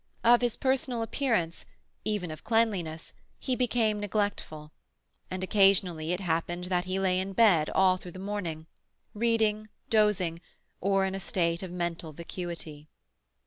Of his personal appearance, even of cleanliness, he became neglectful, and occasionally it happened that he lay in bed all through the morning, reading, dozing, or in a state of mental vacuity.